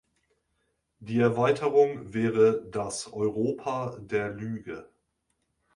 Die Erweiterung wäre das Europa der Lüge.